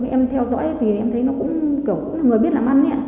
em theo dõi thì em thấy nó cũng kiểu là người biết làm ăn